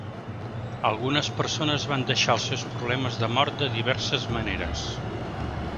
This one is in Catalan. Algunes persones van deixar els seus problemes de mort de diverses maneres.